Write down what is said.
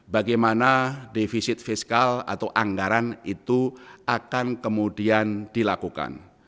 bagaimana defisit fiskal atau anggaran itu akan kemudian dilakukan